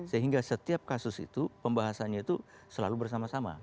sehingga setiap kasus itu pembahasannya itu selalu bersama sama